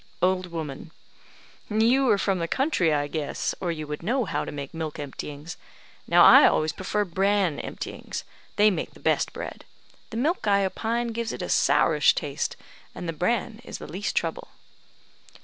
Old woman: "You are from the old country, I guess, or you would know how to make milk emptyings. Now, I always prefer bran emptyings. They make the best bread. The milk, I opine, gives it a sourish taste, and the bran is the least trouble."